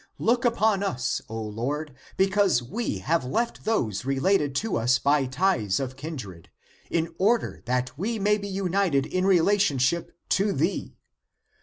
Look upon us, O Lord, because we have left those related to us by ties of kindred, in order that we may be united in relationship to thee.